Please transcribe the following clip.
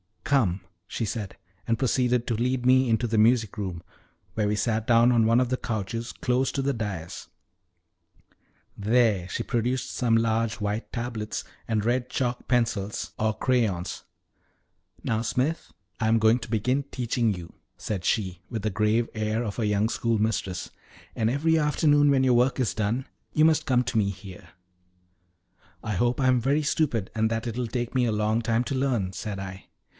"Come," she said, and proceeded to lead me into the music room, where we sat down on one of the couches close to the dais; there she produced some large white tablets, and red chalk pencils or crayons. "Now, Smith, I am going to begin teaching you," said she, with the grave air of a young schoolmistress; "and every afternoon, when your work is done, you must come to me here." "I hope I am very stupid, and that it will take me a long time to learn," said I.